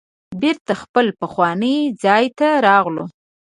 بیرته خپل پخواني ځای ته راغلو.